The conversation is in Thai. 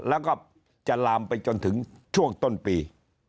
แล้วก็จะลามไปจนถึงช่วงต้นปี